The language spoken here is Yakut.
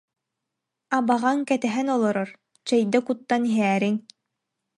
Абаҕаҥ кэтэһэн олорор, чэйдэ куттан иһээриҥ